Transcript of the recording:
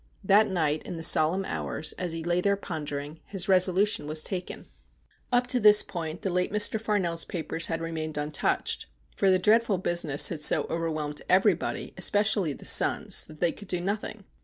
That night, in the solemn hours, as he lay there pondering, his resolution was taken. Up to this point the late Mr. Farnell's papers had remained untouched, for the dreadful business had so overwhelmed everybody, especially the sons, that they could do nothing.